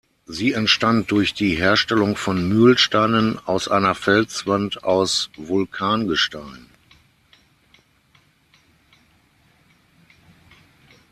Sie entstand durch die Herstellung von Mühlsteinen aus einer Felswand aus Vulkangestein.